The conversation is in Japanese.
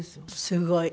すごい。